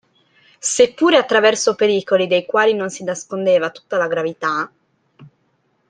Seppure attraverso pericoli dei quali non si nascondeva tutta la gravità.